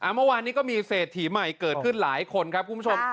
เมื่อวานนี้ก็มีเศรษฐีใหม่เกิดขึ้นหลายคนครับคุณผู้ชม